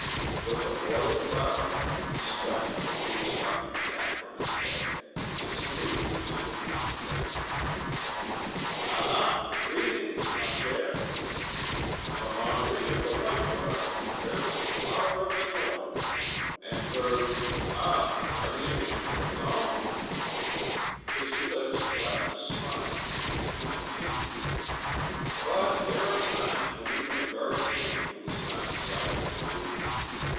With a royal bow, he swept the blue stocking cap from his head and saluted the two upon the bench: "Ah ha, greetings, ma chères! From Henri of the White Water to the fairest flower of the North, and her ah, guardian angel non?" His lips flashed a smile, and he continued: "But, there are times when even a guardian angel is not desired to be.